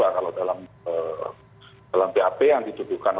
kalau dalam bap yang dituduhkan